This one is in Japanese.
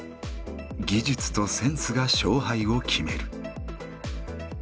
技術とセンスが勝敗を決める。